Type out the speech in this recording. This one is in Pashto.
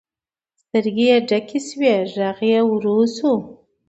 سترګې یې ډکې شوې، غږ یې ورو شو.